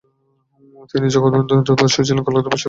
তিনি এবং জগৎবন্ধু বসু ছিলেন কলকাতা বিশ্ববিদ্যালয়ের দ্বিতীয় এমডি।